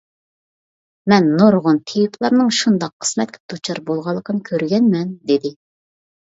مەن نۇرغۇن تېۋىپلارنىڭ شۇنداق قىسمەتكە دۇچار بولغانلىقىنى كۆرگەنمەن-دېدى.